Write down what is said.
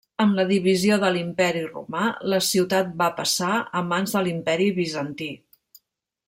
Amb la divisió de l'Imperi romà, la ciutat va passar a mans de l'Imperi bizantí.